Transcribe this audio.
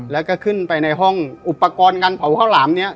แล้วก็ขึ้นไปในห้องอุปกรณ์การเผาข้าวหลามนี้